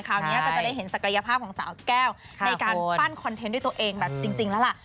คราวนี้ก็จะได้เห็นศักยภาพของสาวแก้วในการปั้นคอนเทนต์ด้วยตัวเองแบบจริงแล้วล่ะ